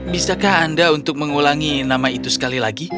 bisakah anda untuk mengulangi nama itu sekali lagi